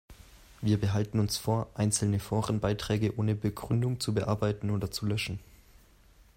Wir behalten uns vor, einzelne Forenbeiträge ohne Begründung zu bearbeiten oder zu löschen.